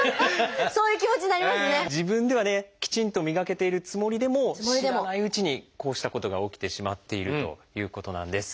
自分ではねきちんと磨けているつもりでも知らないうちにこうしたことが起きてしまっているということなんです。